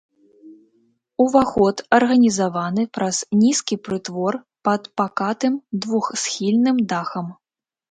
Уваход арганізаваны праз нізкі прытвор пад пакатым двухсхільным дахам.